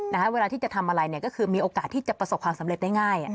เวลาที่จะทำอะไรเนี่ยก็คือมีโอกาสที่จะประสบความสำเร็จได้ง่าย